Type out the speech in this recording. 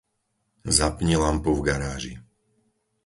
Zapni lampu v garáži.